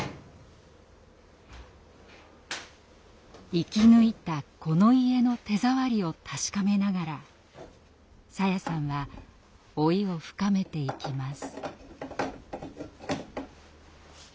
生き抜いたこの家の手触りを確かめながらさやさんは老いを深めていきます。